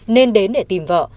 nên đến để tìm vợ